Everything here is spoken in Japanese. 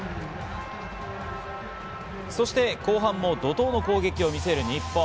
そして後半も怒涛の攻撃を見せる日本。